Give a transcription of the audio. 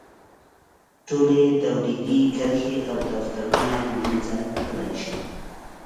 ټولې تولیدي کرښې او دفترونه له منځه تللی شي.